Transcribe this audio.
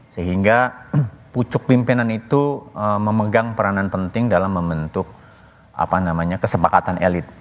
sehingga pucuk pimpinan itu memegang peranan penting dalam membentuk kesepakatan elit